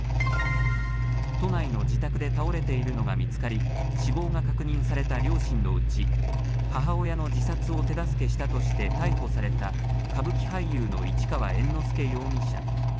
都内の自宅で倒れているのが見つかり、死亡が確認された両親のうち、母親の自殺を手助けしたとして逮捕された、歌舞伎俳優の市川猿之助容疑者。